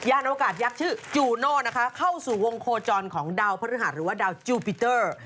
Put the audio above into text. อวกาศยักษ์ชื่อจูโน่นะคะเข้าสู่วงโคจรของดาวพฤหัสหรือว่าดาวจูปิเตอร์